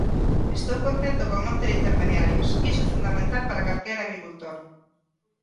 Estou contento con non ter intermediarios: iso é fundamental para calquera agricultor.